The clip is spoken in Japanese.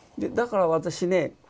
だから私ね